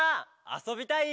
あそびたい！